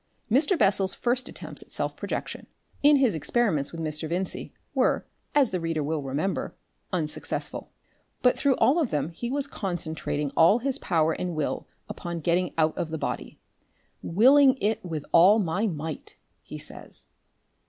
Mr. Bessel's first attempts at self projection, in his experiments with Mr. Vincey, were, as the reader will remember, unsuccessful. But through all of them he was concentrating all his power and will upon getting out of the body "willing it with all my might," he says.